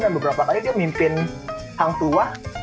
dan beberapa kali dia mimpin hangtua